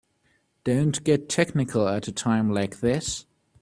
Don't get technical at a time like this.